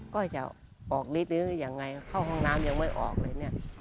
ก็จะออกนิดนึงยังไงเข้าห้องน้ำยังไม่ออกเลย